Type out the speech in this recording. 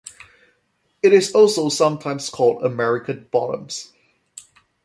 It is also sometimes called "American Bottoms".